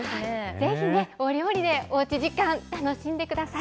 ぜひね、お料理でおうち時間、楽しんでください。